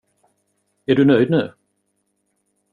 Är du nöjd nu?